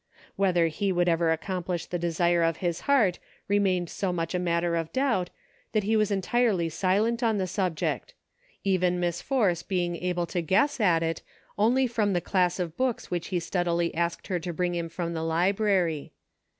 Whether he could ever accomplish the 'desire of his heart remained so much a matter of doubt that he was entirely silent on the subject ; even Miss Force being able to guess at it only from the class 158 EXPERIMENTS. of books which he steadily asked her to bring him from the library.